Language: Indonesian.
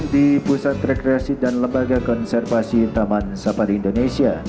ya disini saya sebagai driver taman sapari indonesia